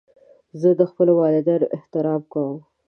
زه د خپلو والدینو احترام کوم.